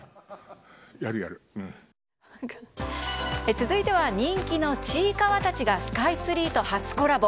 続いては人気のちいかわたちがスカイツリーと初コラボ。